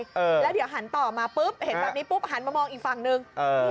เออแล้วเดี๋ยวหันต่อมาปุ๊บเห็นแบบนี้ปุ๊บหันมามองอีกฝั่งหนึ่งเออ